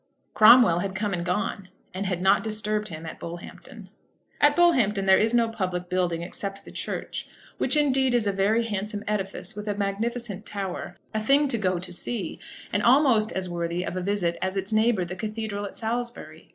Cromwell had come and gone, and had not disturbed him at Bullhampton. At Bullhampton there is no public building, except the church, which indeed is a very handsome edifice with a magnificent tower, a thing to go to see, and almost as worthy of a visit as its neighbour the cathedral at Salisbury.